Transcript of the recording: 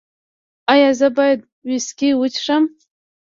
ایا زه باید ویسکي وڅښم؟